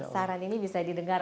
saran ini bisa didengar